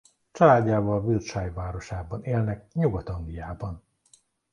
Családjával Wiltshire városában élnek Nyugat-Angliában.